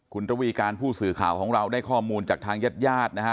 คุณระวีการผู้สื่อข่าวของเราได้ข้อมูลจากทางญาติญาตินะฮะ